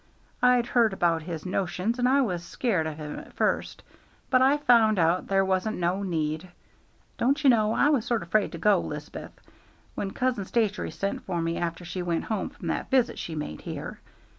I'd heard about his notions, and I was scared of him at first, but I found out there wasn't no need. Don't you know I was sort o' 'fraid to go, 'Lizabeth, when Cousin Statiry sent for me after she went home from that visit she made here?